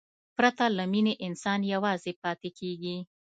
پرته له مینې، انسان یوازې پاتې کېږي.